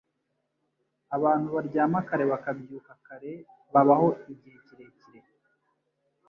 Abantu baryama kare bakabyuka kare babaho igihe kirekire.